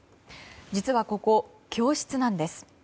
実はここ、教室なんです。